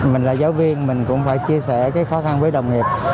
mình là giáo viên mình cũng phải chia sẻ cái khó khăn với đồng nghiệp